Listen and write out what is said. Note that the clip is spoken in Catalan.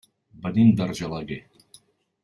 Venim d'Argelaguer.